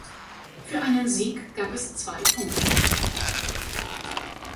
Für einen Sieg gab es zwei Punkte.